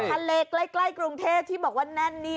ทะเลใกล้กรุงเทพที่บอกว่าแน่นนี่